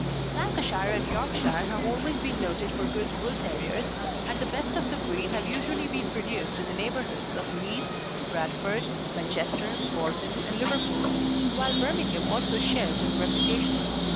Lancashire and Yorkshire have always been noted for good Bull terriers, and the best of the breed have usually been produced in the neighbourhoods of Leeds, Bradford, Manchester, Bolton, and Liverpool, while Birmingham also shared in the reputation.